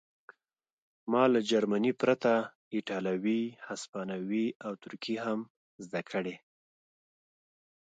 ما له جرمني پرته ایټالوي هسپانوي او ترکي هم زده کړې